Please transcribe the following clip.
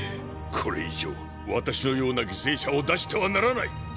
これ以上私のような犠牲者を出してはならない！